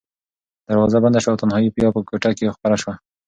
دروازه بنده شوه او تنهایي بیا په کوټه کې خپره شوه.